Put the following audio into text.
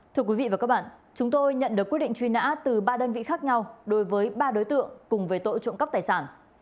thưa quý vị và các bạn chúng tôi nhận được quyết định truy nã từ ba đơn vị khác nhau đối với ba đối tượng cùng về tội trộm cắp tài sản